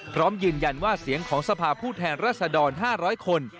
พร้อมยืนยันว่าเสียงของสภาพผู้แทนรัศดร๕๐๐คน